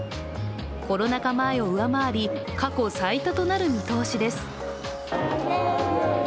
コロナ禍前を上回り過去最多となる見通しです。